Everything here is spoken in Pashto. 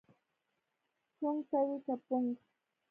چونګ کوې که پونګ؟